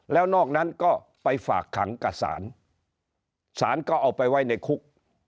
แล้วนอกนั้นก็ไปฝากขังกับศาลศาลก็เอาไปไว้ในคุก